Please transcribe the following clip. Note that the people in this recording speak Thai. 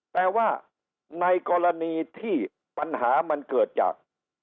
แต่ว่าในกรณีที่ปัญหามันเกิดจาก